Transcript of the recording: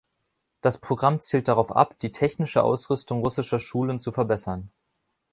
Das Programm zielt darauf ab, die technische Ausrüstung russischer Schulen zu verbessern.